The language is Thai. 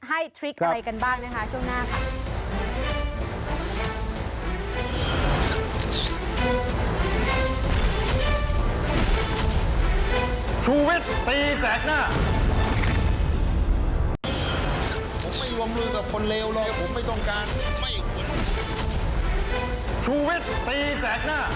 ทริคอะไรกันบ้างนะคะช่วงหน้าค่ะ